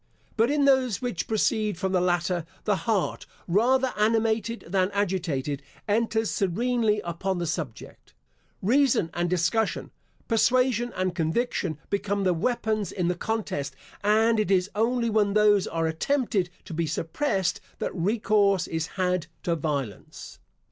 But in those which proceed from the latter, the heart, rather animated than agitated, enters serenely upon the subject. Reason and discussion, persuasion and conviction, become the weapons in the contest, and it is only when those are attempted to be suppressed that recourse is had to violence.